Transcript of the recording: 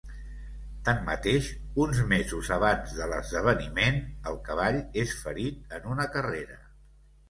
Tanmateix, uns mesos abans de l'esdeveniment, el cavall és ferit en una carrera.